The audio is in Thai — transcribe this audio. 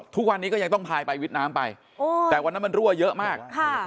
ทุกวันนี้ก็ยังต้องพายไปวิทย์น้ำไปแต่วันนั้นมันรั่วเยอะมาก